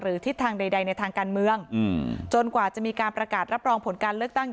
ทิศทางใดในทางการเมืองจนกว่าจะมีการประกาศรับรองผลการเลือกตั้ง